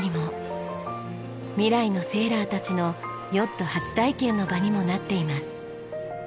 未来のセーラーたちのヨット初体験の場にもなっています。